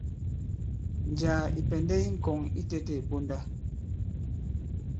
Njàā ì pɛ̀ndɛ i ŋkɔ̀ŋ itētē ì ponda.